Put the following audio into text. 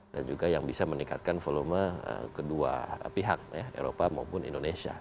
dan juga yang bisa meningkatkan volume kedua pihak eropa maupun indonesia